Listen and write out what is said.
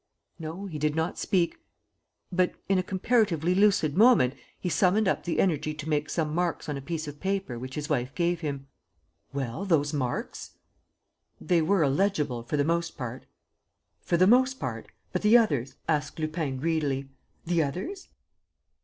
"No, he did not speak. But, in a comparatively lucid moment, he summoned up the energy to make some marks on a piece of paper which his wife gave him." "Well, those marks ...?" "They were illegible, for the most part." "For the most part? But the others?" asked Lupin, greedily. "The others?"